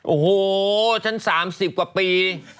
โอ้โหฉัน๓๐กว่าปี